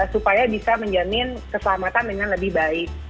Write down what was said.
supaya bisa menjamin keselamatan dengan lebih baik